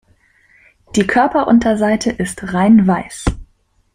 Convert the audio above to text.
Die Körperunterseite ist reinweiß.